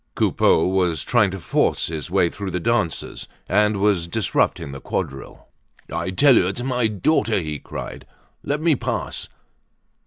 Coupeau was trying to force his way through the dancers and was disrupting the quadrille. "I tell you, it's my daughter!" he cried; "let me pass."